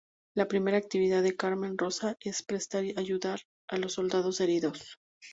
La primera actividad de Carmen Rosa es prestar ayuda a los soldados heridos.